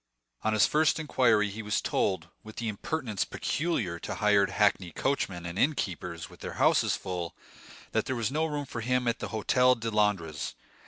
On his first inquiry he was told, with the impertinence peculiar to hired hackney coachmen and innkeepers with their houses full, that there was no room for him at the Hôtel de Londres.